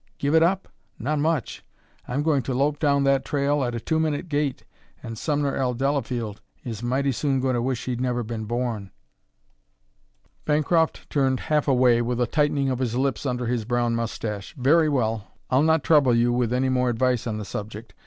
Give it up? Not much! I'm going to lope down that trail at a two minute gait, and Sumner L. Delafield is mighty soon going to wish he'd never been born." Bancroft turned half away, with a tightening of his lips under his brown moustache. "Very well. I'll not trouble you with any more advice on the subject.